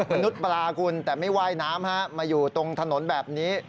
มนุษย์ปลาคุณแต่ไม่ว่ายน้ำมาอยู่ตรงถนนแบบนี้